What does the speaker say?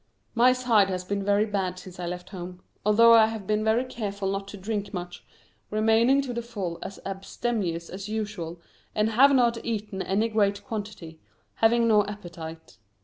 My side has been very bad since I left home, although I have been very careful not to drink much, remaining to the full as abstemious as usual, and have not eaten any great quantity, having no appetite.